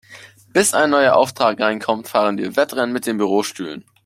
Bis ein neuer Auftrag reinkommt, fahren wir Wettrennen mit den Bürostühlen.